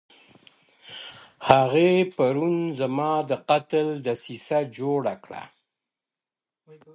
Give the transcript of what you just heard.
هغې پرون زما د قتل دسيسه جوړه کړه _